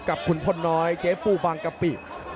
กับคุณผน้อยเจฟรูปังกะปิ